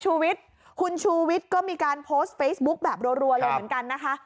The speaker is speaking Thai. คุณชูวิทย์ก็มีการโพสต์เฟซบุ๊คแบบรัวเลยเหมือนกันนะคะ